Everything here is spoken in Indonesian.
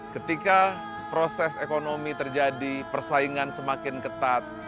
ketika proses ekonomi terjadi persaingan semakin ketat